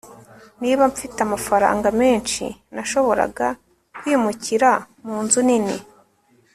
niba mfite amafaranga menshi, nashoboraga kwimukira munzu nini